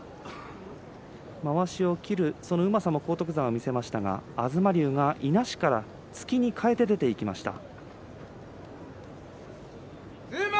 まわしを切る、そのうまさも荒篤山は見せましたが東龍がいなしから突きに変えて出ていきました。